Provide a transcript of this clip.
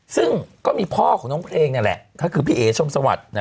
ซึ่งก็มีพ่อของน้องเพลงนี่แหละก็คือพี่เอ๋ชมสวัสดิ์